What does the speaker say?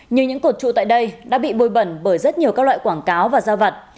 nhưng những cột trụ tại đây đã bị bôi bẩn bởi rất nhiều các loại quảng cáo và giao vật